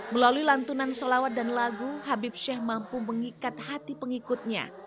melalui lantunan selawat dan lagu habib syahibin abdul qadir as segaf mampu mengikat hati pengikutnya